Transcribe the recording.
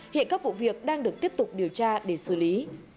hiện các vụ việc đang được tiếp tục điều tra để xử lý